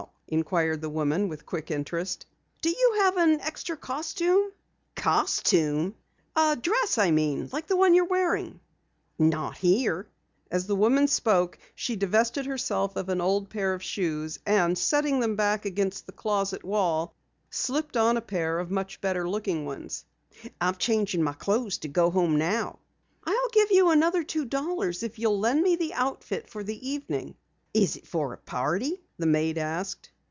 inquired the woman with quick interest. "Do you have an extra costume?" "Costume?" "Dress, I mean. Like one you're wearing." "Not here." As the maid spoke she divested herself of an old pair of shoes, and setting them back against the closet wall, slipped on a pair of much better looking ones. "I'm changing my clothes now to go home." "I'll give you another two dollars if you'll lend me the outfit for the evening." "Is it for a party?" the maid asked.